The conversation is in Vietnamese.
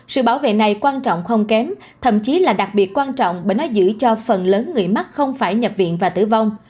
sự bảo vệ này quan trọng không kém thậm chí là đặc biệt quan trọng bởi nó giữ cho phần lớn người mắc không phải nhập viện và tử vong